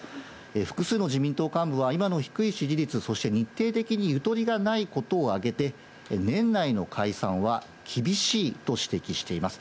複数の自民党幹部は、今の低い支持率、そして日程的にゆとりがないことを挙げて、年内の解散は厳しいと指摘しています。